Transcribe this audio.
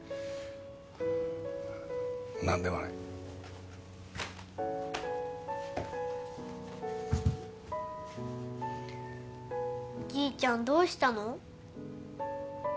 何でもないじいちゃんどうしたの？